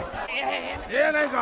ええやないか！